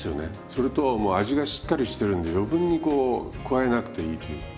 それともう味がしっかりしてるんで余分にこう加えなくていいという。